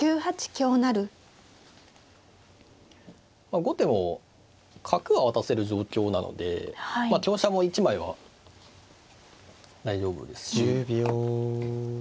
後手も角は渡せる状況なので香車も１枚は大丈夫ですし。